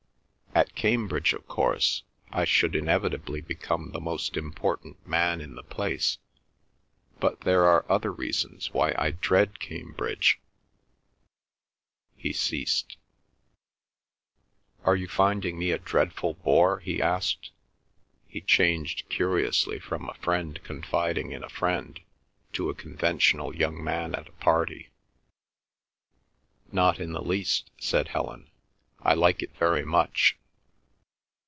... At Cambridge, of course, I should inevitably become the most important man in the place, but there are other reasons why I dread Cambridge—" he ceased. "Are you finding me a dreadful bore?" he asked. He changed curiously from a friend confiding in a friend to a conventional young man at a party. "Not in the least," said Helen. "I like it very much."